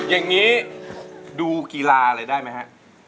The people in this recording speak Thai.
อย่างนี้ดูกีฬาอะไรได้ไหมฮะ